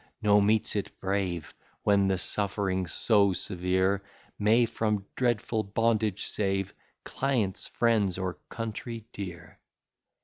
no, meets it brave, When the suffering so severe May from dreadful bondage save Clients, friends, or country dear.